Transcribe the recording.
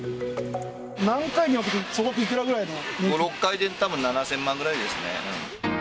何回に分けて、総額、いくら５、６回でたぶん７０００万ぐらいですね。